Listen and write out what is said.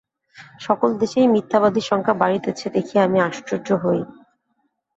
সকল দেশেই মিথ্যাবাদীর সংখ্যা বাড়িতেছে দেখিয়া আমি আশ্চর্য হই।